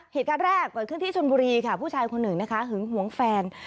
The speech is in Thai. เหตุการณ์แรกเกิดขึ้นที่ชนบุรีค่ะผู้ชายคนหนึ่งนะคะหึงหวงแฟน